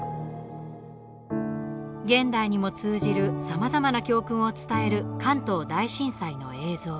現代にも通じるさまざまな教訓を伝える関東大震災の映像。